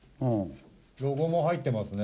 ロゴも入ってますね。